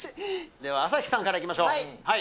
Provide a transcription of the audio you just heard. では朝日さんからいきましょう。